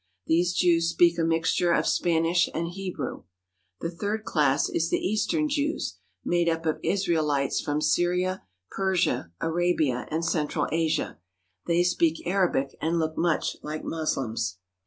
These Jews speak a mixture of Spanish and Hebrew. The third class is the Eastern Jews, made up of Israelites from Syria, Persia, Arabia, and Central Asia. They speak Arabic and look much like Moslems.